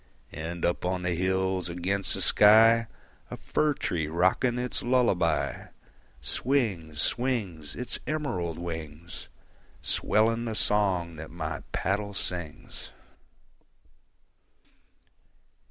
And up on the hills against the sky, A fir tree rocking its lullaby, Swings, swings, Its emerald wings, Swelling the song that my paddle sings.